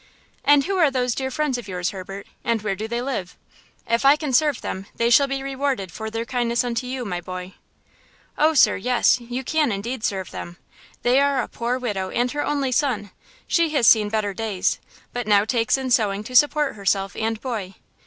"And who are those dear friends of yours, Hebert, and where do they live? If I can serve them they shall be rewarded for their kindness unto you, my boy." "Oh, sir, yes; you can indeed serve them. They are a poor widow and her only son. She has seen better days, but now takes in sewing to support herself and boy.